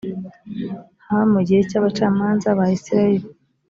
haba mu gihe cy abacamanza ba isirayeli